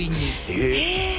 え！